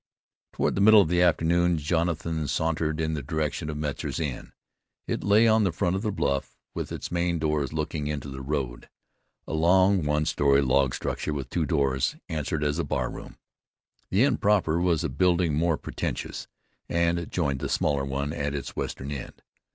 Toward the middle of the afternoon Jonathan sauntered in the direction of Metzar's inn. It lay on the front of the bluff, with its main doors looking into the road. A long, one story log structure with two doors, answered as a bar room. The inn proper was a building more pretentious, and joined the smaller one at its western end.